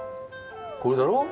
これだろ？